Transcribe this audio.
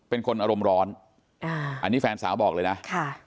เป็นคนอารมณ์ร้อนอ่าอันนี้แฟนสาวบอกเลยนะค่ะ